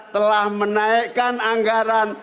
telah menaikkan anggaran